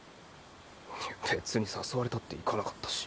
別に誘われたって行かなかったし。